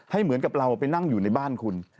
เหมือนกับเราไปนั่งอยู่ในบ้านคุณ